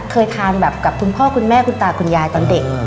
เคยทานแบบกับคุณพ่อคุณแม่คุณตาคุณยายตอนเด็ก